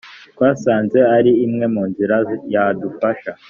twasanze ari imwe mu nzira yadufasha